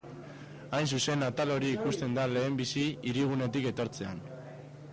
Hain zuzen, atal hori ikusten da lehenbizi hirigunetik etortzean.